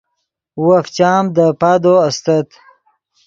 وف چام دے پادو استت